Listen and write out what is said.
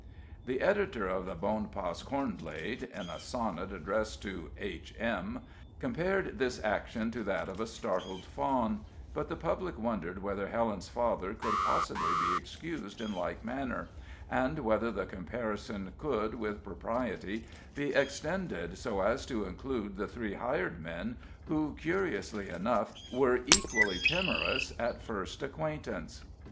The editor of the Bonpas Cornblade, in a sonnet addressed to "H.M.," compared this action to that of a startled fawn; but the public wondered whether Helen's father could possibly be excused in like manner, and whether the comparison could, with propriety, be extended so as to include the three hired men, who, curiously enough, were equally timorous at first acquaintance.